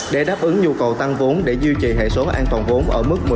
để đáp ứng nhu cầu tăng vốn để duy trì hệ số an toàn vốn ở mức một